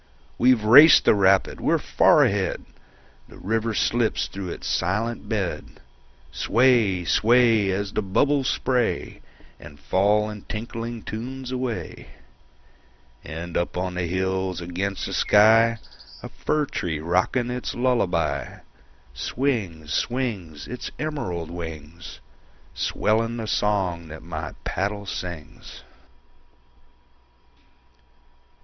We've raced the rapid, we're far ahead! The river slips through its silent bed. Sway, sway, As the bubbles spray And fall in tinkling tunes away. And up on the hills against the sky, A fir tree rocking its lullaby, Swings, swings, Its emerald wings, Swelling the song that my paddle sings.